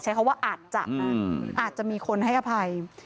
ใช้คำว่าอาจจะมีคนให้อภัย